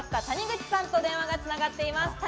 谷口さんと電話が繋がっています。